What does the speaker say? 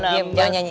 diam jangan nyanyi